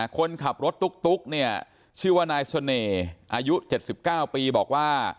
คนขับรถตุ๊กเนี่ยชื่อว่านายเสน่ห์อายุ๗๙ปีบอกว่า